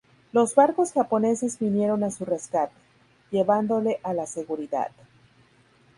Los barcos japoneses vinieron a su rescate, llevándole a la seguridad.